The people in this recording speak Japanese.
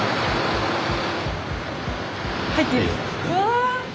うわ！